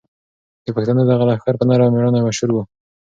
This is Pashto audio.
د پښتنو دغه لښکر په نره او مېړانه مشهور و.